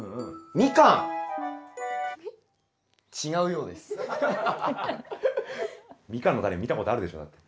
ミカンのタネ見たことあるでしょだって。